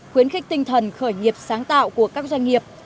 khuyến khích tinh thần khởi nghiệp sáng tạo của các doanh nghiệp